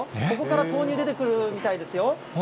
ここから豆乳出てくるみたいですよ。